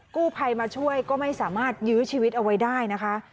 กู้ภัยมาช่วยก็ไม่สามารถยื้อชีวิตเอาไว้ได้นะคะ